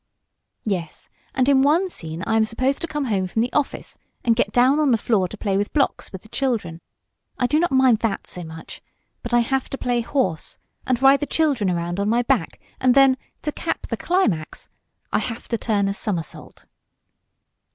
"Yes, and in one scene I am supposed to come home from the office, and get down on the floor to play with blocks with the children. I do not mind that so much, but I have to play horse, and ride the children around on my back, and then, to cap the climax, I have to turn a somersault."